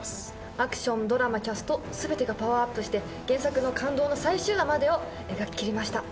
アクションドラマキャスト全てがパワーアップして原作の感動の最終話までを描ききりました。